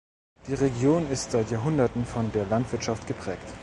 Die Region ist seit Jahrhunderten von der Landwirtschaft geprägt.